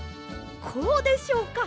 こうでしょうか？